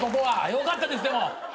よかったですでも。